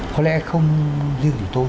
có lẽ không như của tôi